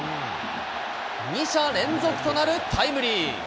２者連続となるタイムリー。